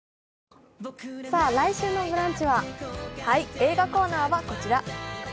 映画コーナーはこちら。